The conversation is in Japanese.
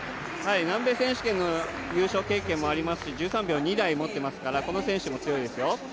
南米選手権の優勝選手権もとってますし１３秒２台もってますからこの選手も強いですよ。